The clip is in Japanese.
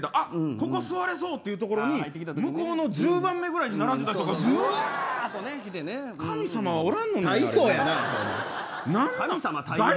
ここ座れそうというところに向こうの１０番目ぐらいに並んでた人がぐわっと来て神様はおらんねん。